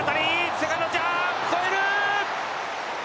セカンドの頭上、越える。